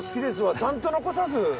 ちゃんと残さず。